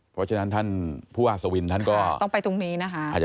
เพราะฉะนั้นท่านผู้ว่าศวินท่านก็ต้องไปตรงนี้นะคะ